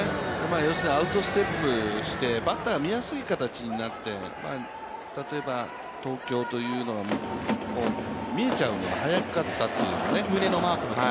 要するにアウトステップして、バッター見やすい形になって例えば、見えちゃうのが早かったというようね。